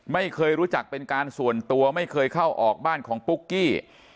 ไม่เคยรู้จักเป็นการส่วนตัวไม่เคยเข้าออกบ้านของปุ๊กกี้